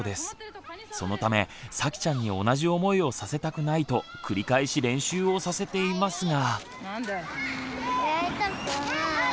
そのためさきちゃんに同じ思いをさせたくないと繰り返し練習をさせていますが。